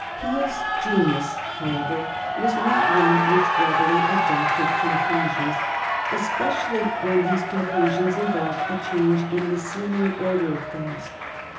Peel's genius, however, was not one which readily adopted conclusions, especially when these conclusions involved a change in the seeming order of things.